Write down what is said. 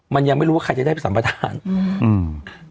มันยังไม่รู้ว่าใครจะได้ไปสัมประธานอืมอืม